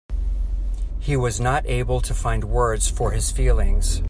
He was not able to find words for his feelings.